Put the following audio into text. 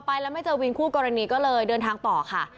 ไปแล้วไม่เจอวินคู่กรณีก็เลยเดินทางต่อค่ะ